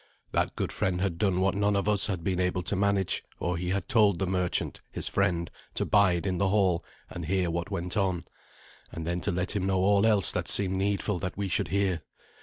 That good friend had done what none of us had been able to manage, for he had told the merchant, his friend, to bide in the hall and hear what went on, and then to let him know all else that seemed needful that we should hear.